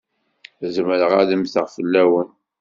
Zemreɣ ad mmteɣ fell-awen.